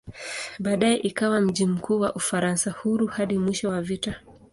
Baadaye ikawa mji mkuu wa "Ufaransa Huru" hadi mwisho wa vita.